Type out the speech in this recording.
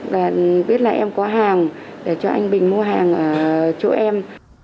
và biết là em có hàng để cho anh bình mua hàng ở chỗ em